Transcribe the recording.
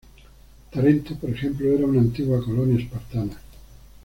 Tarento, por ejemplo, era una antigua colonia espartana.